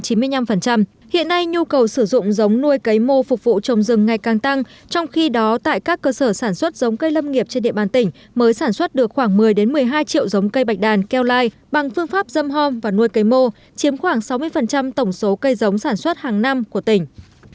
hiện nay nhu cầu sử dụng giống nuôi cây mô phục vụ trồng rừng ngày càng tăng trong khi đó tại các cơ sở sản xuất giống cây lâm nghiệp trên địa bàn tỉnh mới sản xuất được khoảng một mươi một mươi hai triệu giống cây bạch đàn keo lai bằng phương pháp dâm hôm và nuôi cây mô chiếm khoảng sáu mươi tổng số cây giống sản xuất hàng năm của tỉnh